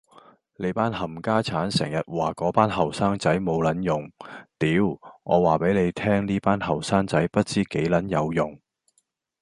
你班冚家剷成日話果班後生仔冇撚用，屌，我話俾你聽呢班後生仔不知幾撚有用